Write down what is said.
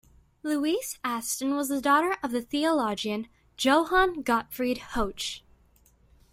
Louise Aston was the daughter of the theologian Johann Gottfried Hoche.